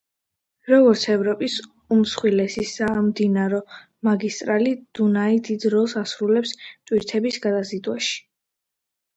როგორც ევროპის უმსხვილესი სამდინარო მაგისტრალი, დუნაი დიდ როლს ასრულებს ტვირთების გადაზიდვაში.